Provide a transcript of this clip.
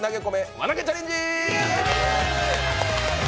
輪投げチャレンジ！